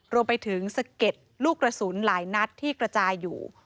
รวมไปถึงสะเก็ดลูกกระสุนหลายนัดที่กระจายอยู่